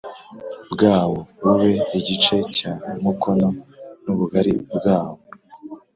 Bwawo bube igice cya mukono n ubugari bwawo